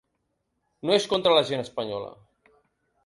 No és contra la gent espanyola.